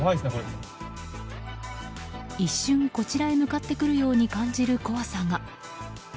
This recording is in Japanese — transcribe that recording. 一瞬こちらへ向かってくるように感じる怖さが。